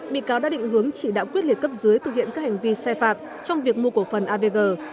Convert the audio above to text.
bị cáo đã định hướng chỉ đạo quyết liệt cấp dưới thực hiện các hành vi sai phạm trong việc mua cổ phần avg